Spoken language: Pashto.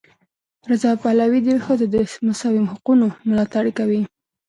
رضا پهلوي د ښځو د مساوي حقونو ملاتړ کوي.